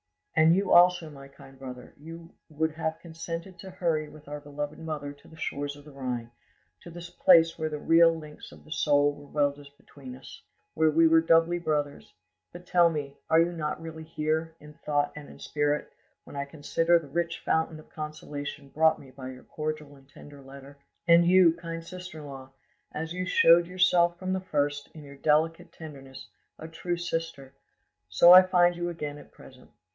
"And you also, my kind brother, you would have consented to hurry with our beloved mother to the shores of the Rhine, to this place where the real links of the soul were welded between us, where we were doubly brothers; but tell me, are you not really here, in thought and in spirit, when I consider the rich fountain of consolation brought me by your cordial and tender letter? "And, you, kind sister in law, as you showed yourself from the first, in your delicate tenderness, a true sister, so I find you again at present.